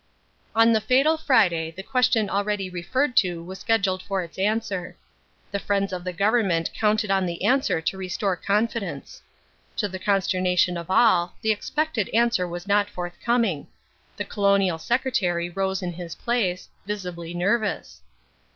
On the fatal Friday the question already referred to was scheduled for its answer. The friends of the Government counted on the answer to restore confidence. To the consternation of all, the expected answer was not forthcoming. The Colonial Secretary rose in his place, visibly nervous.